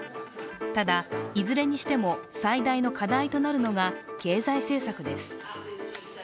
ただ、いずれにしても最大の課題となるのが、経済政策です。